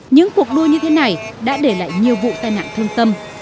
những cuộc đua như thế này đã để lại nhiều vụ tai nạn thương tâm